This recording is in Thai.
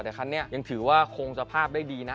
แต่คันนี้ยังถือว่าคงสภาพได้ดีนะ